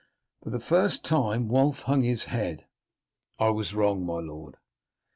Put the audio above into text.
For the first time Wulf hung his head: "I was wrong, my lord."